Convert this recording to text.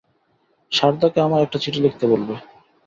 সারদাকে আমায় একটা চিঠি লিখতে বলবে।